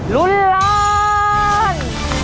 ลุ้นล้าน